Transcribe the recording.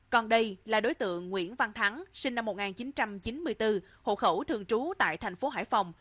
còn đây là đối tượng nguyễn văn thắng sinh năm một nghìn chín trăm chín mươi bốn hộ khẩu thường trú tại thành phố hải phòng